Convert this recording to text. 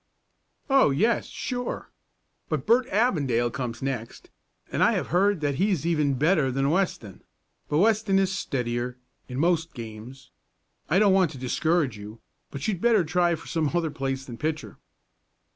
"Oh, yes, sure. But Bert Avondale comes next, and I have heard that he's even better than Weston, but Weston is steadier in most games. I don't want to discourage you, but you'd better try for some other place than pitcher."